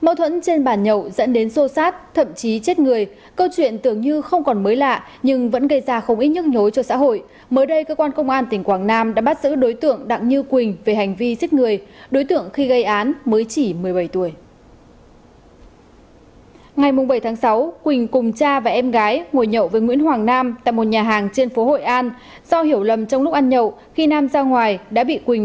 các bạn hãy đăng kí cho kênh lalaschool để không bỏ lỡ những video hấp dẫn